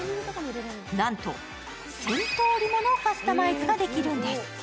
なんと、１０００通りものカスタマイズができるんです。